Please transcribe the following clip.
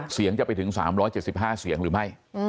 เสียงจะไปถึง๓๗๕เสียงหรือไม่